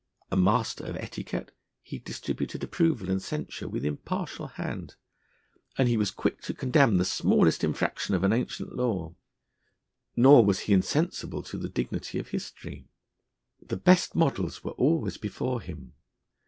A master of etiquette, he distributed approval and censure with impartial hand; and he was quick to condemn the smallest infraction of an ancient law. Nor was he insensible to the dignity of history. The best models were always before him.